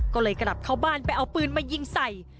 ก็เลยกลับเข้าบ้านไปเอาปืนมายิงใส่